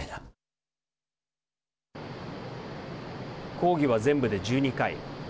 講義は全部で１２回。